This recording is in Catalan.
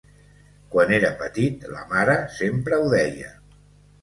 Quan era petit la mare sempre ho deia.